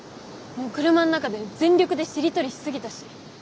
車の中で全力でしりとりしすぎたし。